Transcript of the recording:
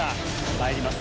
まいります！